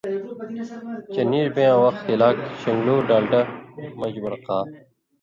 چے نیڙ بېن٘یاں وخ ہِلاک شن٘گلو ڈالٹہ مژ بڑقا